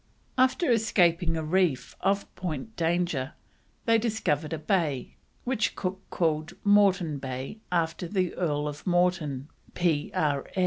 After escaping a reef off Point Danger they discovered a bay, which Cook called Morton Bay after the Earl of Morton, P.R.